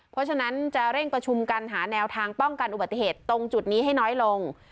เพราะฉะนั้นจะเร่งประชุมกันหาแนวทางป้องกันอุบัติเหตุตรงจุดนี้ให้น้อยลง